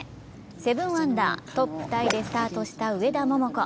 ７アンダー、トップタイでスタートした上田桃子。